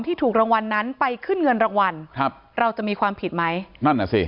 ถูกรางวัลนั้นไปขึ้นเงินรางวัลครับเราจะมีความผิดไหมนั่นน่ะสิ